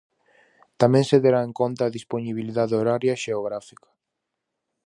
Tamén se terá en conta a dispoñibilidade horaria e xeográfica.